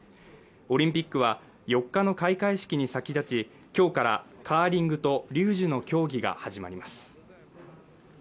オリンピックは４日の開会式に先立ちきょうからカーリングとリュージュの競技が始まります